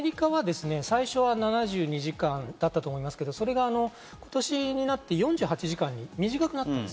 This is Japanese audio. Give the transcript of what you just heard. アメリカは最初は７２時間だったと思いますけど、それが今年になって４８時間に短くなっている。